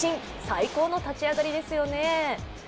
最高の立ち上がりですよね。